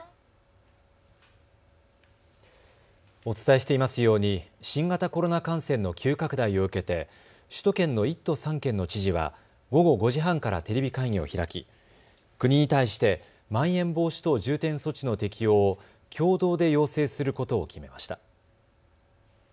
お伝えしていますように新型コロナ感染の急拡大を受けて首都圏の１都３県の知事は午後５時半からテレビ会議を開き国に対してまん延防止等重点措置の適用を共同で要請することを決めました。